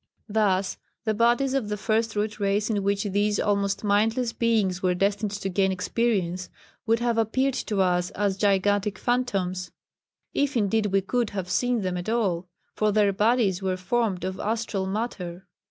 Thus the bodies of the First Root Race in which these almost mindless beings were destined to gain experience, would have appeared to us as gigantic phantoms if indeed we could have seen them at all, for their bodies were formed of astral matter.